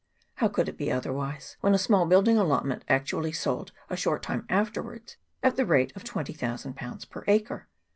How could it be otherwise, when a small building allotment actually sold, a short time afterwards, at the rate of 20,000/. per acre